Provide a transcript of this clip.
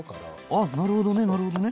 あっなるほどねなるほどね。